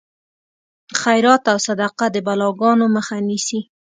خیرات او صدقه د بلاګانو مخه نیسي.